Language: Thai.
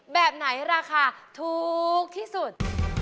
แบบไหนราคาถูกที่สุด